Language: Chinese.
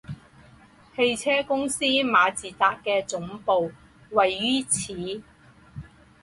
汽车公司马自达的总部位于此。